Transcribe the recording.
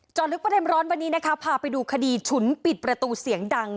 ลึกประเด็นร้อนวันนี้นะคะพาไปดูคดีฉุนปิดประตูเสียงดัง